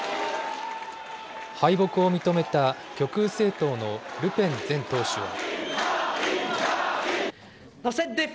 敗北を認めた極右政党のルペン前党首は。